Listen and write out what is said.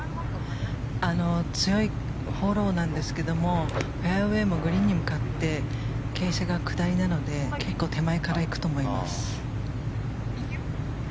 強いフォローなんですけどフェアウェーもグリーンに向かって傾斜が下りなので結構、手前から行くと思います。